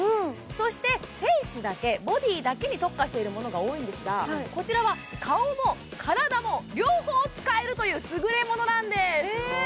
そしてフェースだけボディーだけに特化しているものが多いんですがこちらは顔も体も両方使えるというすぐれものなんです